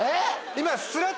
今。